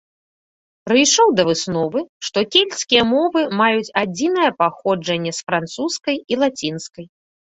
Прыйшоў да высновы, што кельцкія мовы маюць адзінае паходжанне з французскай і лацінскай.